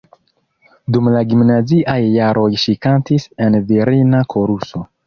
Dum la gimnaziaj jaroj ŝi kantis en virina koruso.